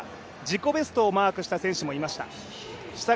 自己ベストをマークした選手もいました。